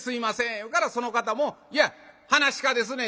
言うからその方も「いや噺家ですねん。